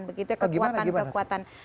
begitu ya kekuatan kekuatan